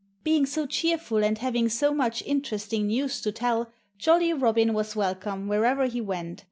Being so cheerful and having so much interesting news to tell, Jolly Robin was welcome wherever he went.